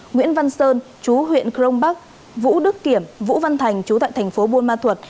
nguyễn văn sơn chú huyện crong bắc vũ đức kiểm vũ văn thành chú tại thành phố buôn ma thuật